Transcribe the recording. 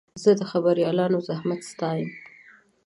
زه د خبریالانو زحمت ستایم.